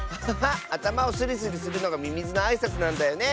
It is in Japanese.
あたまをスリスリするのがミミズのあいさつなんだよね。